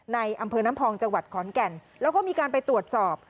ในอำเภอน้ำพองจังหวัดขอนแก่นแล้วก็มีการไปตรวจสอบ